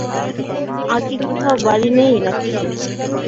আর কি কোথাও বাড়ি নেই নাকি।